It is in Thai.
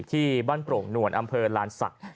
ที่บ้านโปร่งนวลอำเภอลานศักดิ์